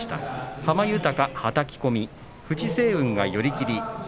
濱豊、はたき込み藤青雲が寄り切り。